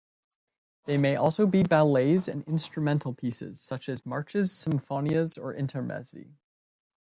They may also be ballets and instrumental pieces, such as marches, sinfonias, or intermezzi.